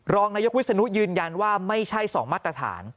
รองนายกวิศนุยืนยันว่าไม่ใช่๒มาตรฐาน